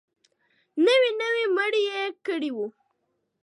نوې نوي مړي يې کړي وو.